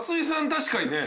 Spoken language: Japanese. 確かにね。